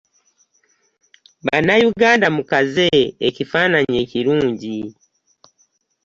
Bannayuganda mukaze ekifaananyi ekirungi.